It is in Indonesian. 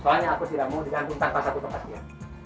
soalnya aku tidak mau digantung tanpa satu pepas dia